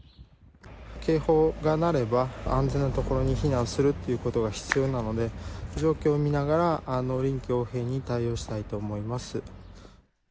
警報が鳴れば、安全な所に避難するっていうことが必要なので、状況を見ながら、臨機応変に対応したいと思います。